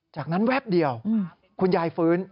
จากนั้นแวบเดียวคุณยายฟื้น